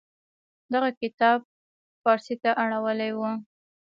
دغه کتاب پارسي ته اړولې و.